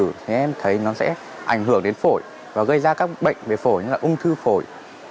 thì em thấy nó sẽ ảnh hưởng đến phổi và gây ra các bệnh về phổi như là ung thư phổi